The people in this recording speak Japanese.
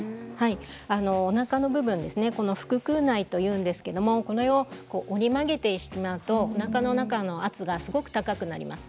おなかの部分ですね腹くう内というんですけれど折り曲げてしまうとおなかの中の圧がすごく高くなります。